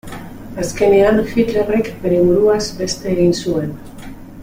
Azkenean Hitlerrek bere buruaz beste egin zuen.